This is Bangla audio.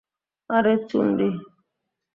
আরে, চুন্ডি!